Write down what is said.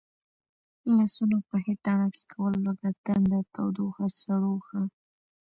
لاسونه او پښې تڼاکې کول، لوږه تنده، تودوخه، سړوښه،